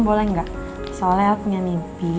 boleh gak soalnya el punya nipi